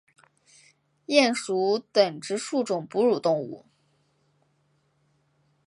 鼹属等之数种哺乳动物。